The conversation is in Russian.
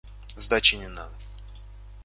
Сдачи не надо.